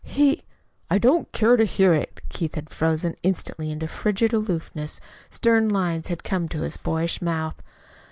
He " "I don't care to hear it." Keith had frozen instantly into frigid aloofness. Stern lines had come to his boyish mouth.